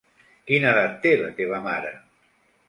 Quina edat té la teva mare?